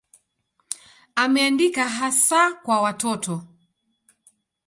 Ameandika hasa kwa watoto.